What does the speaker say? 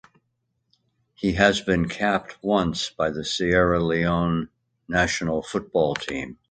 He has been capped once by the Sierra Leone national football team.